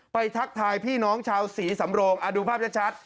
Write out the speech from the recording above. ทักทายพี่น้องชาวศรีสำโรงดูภาพชัด